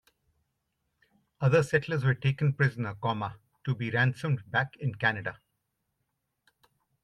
Other settlers were taken prisoner, to be ransomed back in Canada.